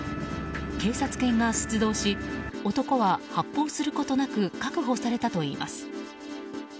警察犬が出動し男は発砲することなく確保されたといいます。